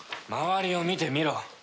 周りを見てみろ。